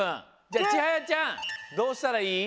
じゃちはやちゃんどうしたらいい？